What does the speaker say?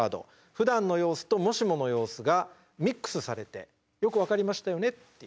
ふだんの様子ともしもの様子がミックスされてよく分かりましたよねっていう。